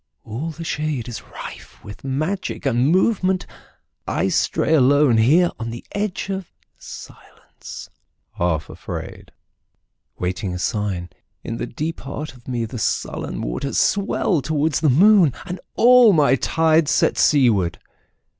All the shadeIs rife with magic and movement. I stray aloneHere on the edge of silence, half afraid, Waiting a sign. In the deep heart of meThe sullen waters swell towards the moon, And all my tides set seaward.